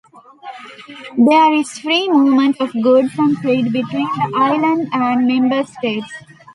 There is free movement of goods and trade between the island and Member States.